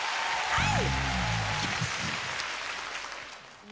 はい！